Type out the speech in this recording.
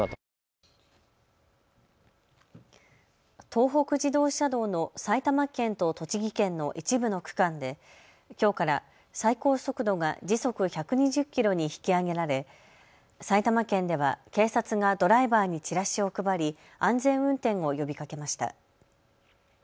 東北自動車道の埼玉県と栃木県の一部の区間できょうから最高速度が時速１２０キロに引き上げられ埼玉県では警察がドライバーにチラシを配り、安全運転を呼びかけました。